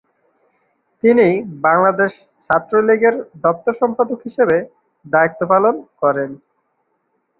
তিনি বাংলাদেশ ছাত্রলীগের দপ্তর সম্পাদক হিসেবে দায়িত্ব পালন করেন।